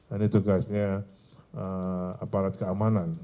ini tugasnya aparat keamanan